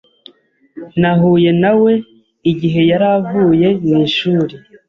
Nahuye na we igihe yari avuye ku ishuri.